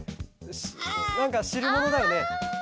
なんかしるものだよね？